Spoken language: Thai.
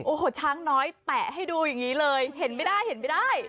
โอ้โหช้างน้อยแตะให้ดูอย่างนี้เลยเห็นไม่ได้